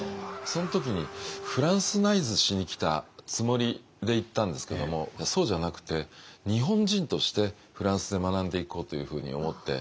その時にフランスナイズしに来たつもりで行ったんですけどもそうじゃなくて日本人としてフランスで学んでいこうというふうに思って。